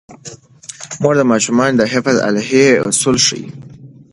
مور د ماشوم د حفظ الصحې اصول ښيي.